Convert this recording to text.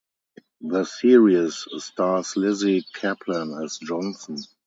The series stars Lizzy Caplan as Johnson.